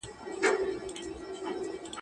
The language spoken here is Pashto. رحیم د خپل پلار غوندې تریو تندی درلود.